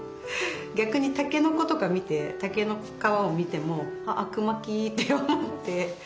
逆にたけのことか見て竹の皮を見ても「あくまき」って思って。